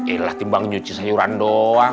ih lah timbang nyuci sayuran doang